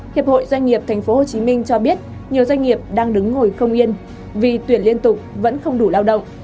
hiệp hội doanh nghiệp tp hcm cho biết nhiều doanh nghiệp đang đứng ngồi không yên vì tuyển liên tục vẫn không đủ lao động